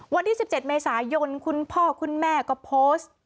วันที่๑๗เมษายนคุณพ่อคุณแม่ก็โพสต์